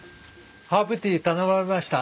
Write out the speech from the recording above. ハーブティー頼まれました？